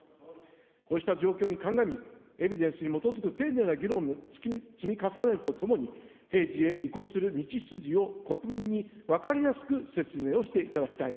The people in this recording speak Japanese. こうした状況に鑑み、エビデンスに基づく丁寧な議論を積み重ねるとともに、平時へ移行する道筋を国民に分かりやすく説明をしていただきたい。